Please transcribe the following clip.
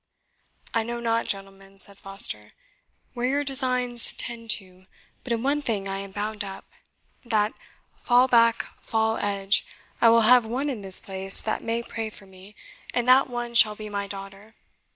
"I know not, gentlemen," said Foster, "where your designs tend to; but in one thing I am bound up, that, fall back fall edge, I will have one in this place that may pray for me, and that one shall be my daughter.